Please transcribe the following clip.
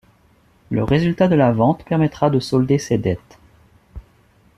Le résultat de la vente permettra de solder ses dettes.